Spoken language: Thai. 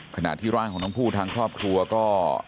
ขณะที่ร่างของน้องผู้ทางครอบครัวก็